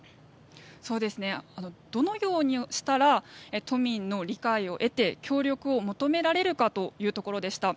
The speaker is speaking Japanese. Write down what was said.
どのようにしたら都民の理解を得て協力を求められるかというところでした。